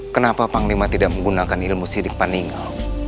kenapa panglima tidak menggunakan ilmu sirik paningau